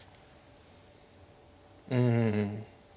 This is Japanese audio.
うん。